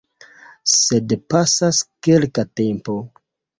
Sed pasas kelka tempo.